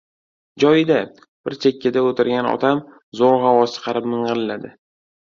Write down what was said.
— Joyida...— bir chekkada o‘tirgan otam, zo‘rg‘a ovoz chiqarib ming‘illadi.